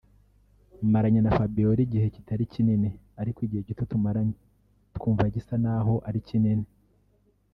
Maranye na Fabiola igihe kitari kinini ariko igihe gito tumaranye twumva gisa naho ari kinini